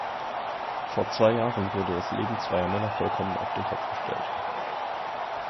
Vor zwei Jahren wurde das Leben zweier Männer vollkommen auf den Kopf gestellt.